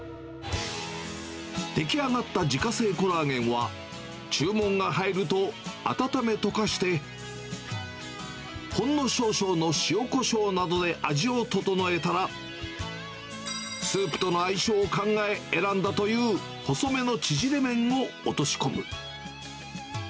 出来上がった自家製コラーゲンは、注文が入ると、温め溶かして、ほんの少々の塩こしょうなどで味を調えたら、スープとの相性を考え選んだという細めの縮れ麺を落とし込む。